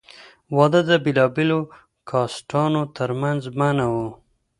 واده د بېلابېلو کاسټانو تر منځ منع وو.